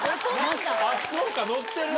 あっそうか載ってる？